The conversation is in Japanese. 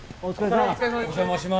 お邪魔します。